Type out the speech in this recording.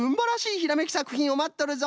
ひらめきさくひんをまっとるぞ。